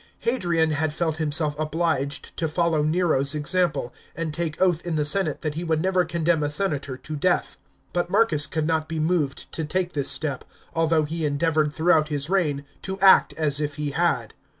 Hadrian had felt himself obliged to follow Nero's example, and take oath in the senate that he would never condemn a senator to death. But Marcus could not be moved to take this step, although he endeavoured throughout his reign to act as if he had.